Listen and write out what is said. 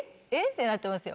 てなってますよ。